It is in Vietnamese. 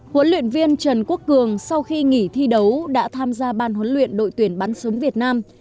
huấn luyện viên trần quốc cường sau khi nghỉ thi đấu đã tham gia ban huấn luyện đội tuyển bắn súng việt nam